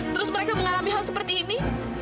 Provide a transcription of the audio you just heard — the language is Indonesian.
terus mereka mengalami hal seperti ini